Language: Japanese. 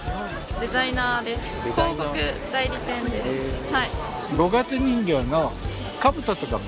デザイナーです